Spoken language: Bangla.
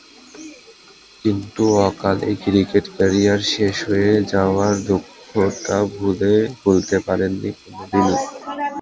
কিন্তু অকালেই ক্রিকেট ক্যারিয়ার শেষ হয়ে যাওয়ার দুঃখটা ভুলতে পারেননি কোনো দিনই।